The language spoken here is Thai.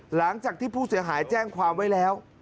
หลังจากที่ผู้เสียหายแจ้งความไว้แล้ว